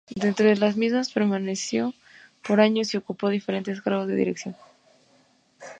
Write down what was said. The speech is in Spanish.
Dentro de las mismas, permaneció por años y ocupó diferentes cargos de dirección.